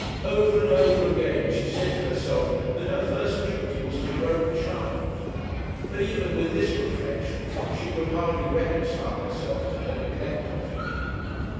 Over and over again she said to herself that her first duty was to her own child; but even with this reflection, she could hardly reconcile herself to her neglect of him.